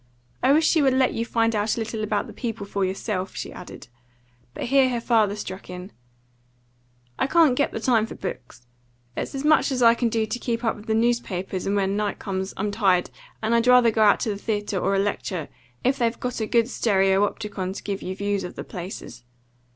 I wish she would let you find out a little about the people for yourself," she added. But here her father struck in "I can't get the time for books. It's as much as I can do to keep up with the newspapers; and when night comes, I'm tired, and I'd rather go out to the theatre, or a lecture, if they've got a good stereopticon to give you views of the places.